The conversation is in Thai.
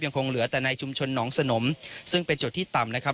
คงเหลือแต่ในชุมชนหนองสนมซึ่งเป็นจุดที่ต่ำนะครับ